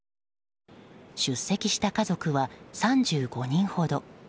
出席した家族は３５人ほど。